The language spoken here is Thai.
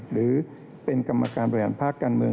หรือเป็นกรรมการบริหารภาคการเมือง